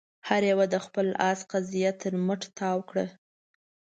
هر يوه د خپل آس قيضه تر مټ تاو کړه.